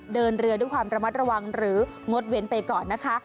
เดินเรือด้วยความระมัดระวังหรืองดเว้นไปก่อนนะคะ